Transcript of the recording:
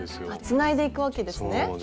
つないでいくわけですね。